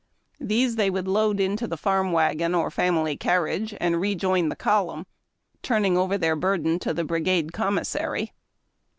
These they would load into the farm wagon or family carriage, and rejoin the column, turning over their burden to the brigade commissary.